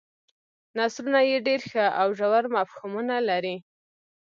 نثرونه یې ډېر ښه او ژور مفهومونه لري.